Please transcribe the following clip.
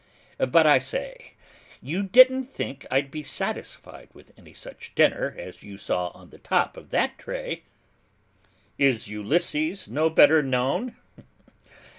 But I say, you didn't think I'd be satisfied with any such dinner as you saw on the top of that tray? 'Is Ulysses no better known?